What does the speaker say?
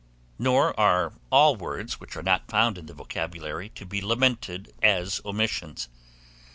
Nor are all words which are not found in the vocabulary, to be lamented as omissions.